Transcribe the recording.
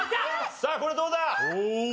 さあこれどうだ？